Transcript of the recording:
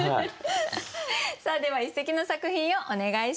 さあでは一席の作品をお願いします。